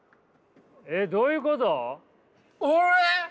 えどういうこと？